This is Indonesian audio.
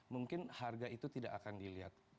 mungkin harga itu tidak akan dilihat